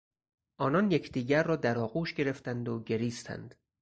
آنان یکدیگر را در آغوش گرفتند و گریستند.